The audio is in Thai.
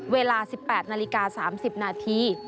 เวลา๑๘นาฬิกา๓๐นาที